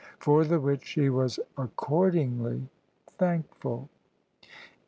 For the which she was accord ingly thankful.